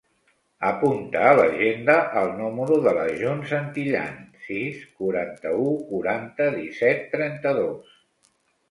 Apunta a l'agenda el número de la June Santillan: sis, quaranta-u, quaranta, disset, trenta-dos.